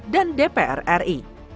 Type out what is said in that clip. dan dpr ri